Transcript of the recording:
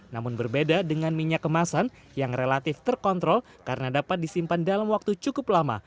namun berbeda dengan minyak kemasan yang relatif terkontrol karena dapat disimpan dalam waktu cukup lama